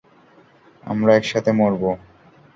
আমরা একসাথে মরবো।